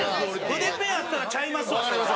筆ペンあったらちゃいますよそれは。